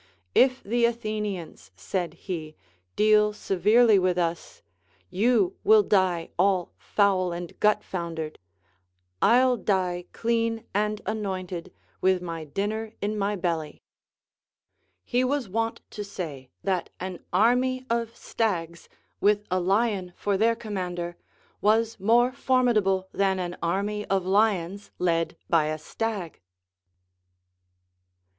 If the Athenians, said he, deal severely Avith us, you will die all foul and gut foundered ; I'll die clean and anointed, with my dinner in mv belh'. He was wont to say, that an army of staofs, with a lion for their commander, was more formidable than an army of lions led by a stag.